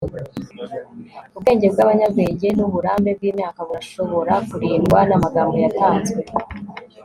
ubwenge bw'abanyabwenge, n'uburambe bw'imyaka, burashobora kurindwa n'amagambo yatanzwe